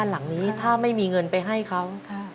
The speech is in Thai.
หลังนี้ถ้าไม่มีเงินไปให้เขา